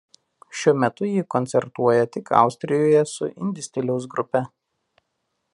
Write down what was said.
Šiuo metu ji koncertuoja tik Austrijoje su indie stiliaus grupe.